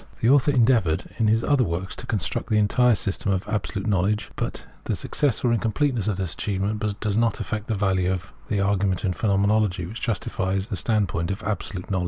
The author en deavoured in his other works to construct the entire system of " Absolute Knowledge," but the success or incompleteness of this achievement does not affect the value of the argument of the Phenomenology, which justifies the standpoint of " Absolute Knowledge."